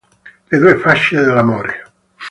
Le due facce dell'amore